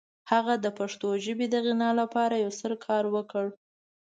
هغه د پښتو ژبې د غنا لپاره یو ستر کار وکړ.